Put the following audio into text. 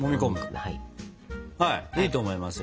はいいいと思いますよ。